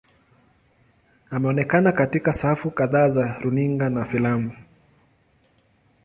Ameonekana katika safu kadhaa za runinga na filamu.